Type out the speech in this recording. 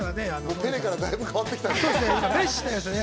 ペレからだいぶ変わってきたね。